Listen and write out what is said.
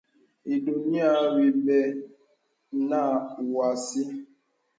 Ìdùŋùhə wì bɛt nə yô asìɛ.